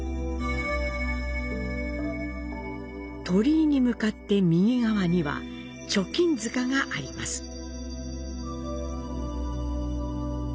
鳥居に向かって右側には貯金塚があります。